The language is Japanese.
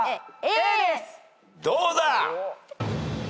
どうだ？